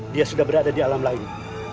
dia sudah berada di alam lain